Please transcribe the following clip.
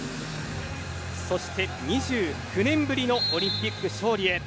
そして、２９年ぶりのオリンピック勝利へ。